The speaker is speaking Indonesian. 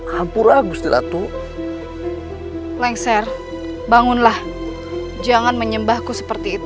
kamu tak mungkin bisa menghafal kesukaban yang tidak jadi fromat